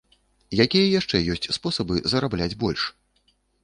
Якія яшчэ ёсць спосабы зарабляць больш?